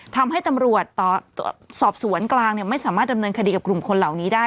ทำให้ตำรวจสอบสวนกลางไม่สามารถดำเนินคดีกับกลุ่มคนเหล่านี้ได้